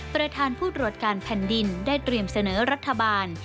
ประธานผู้ตรวจการแผ่นดินได้เตรียมเสนอรัฐบาล